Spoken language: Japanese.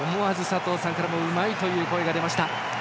佐藤さんからうまいという声が出ました。